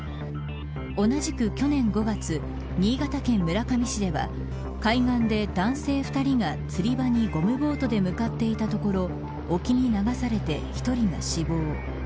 同じく去年５月新潟県村上市では海岸で、男性２人が釣り場にゴムボートで向かっていたところ沖に流されて１人が死亡。